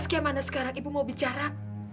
saskia mana sekarang ibu mau bicara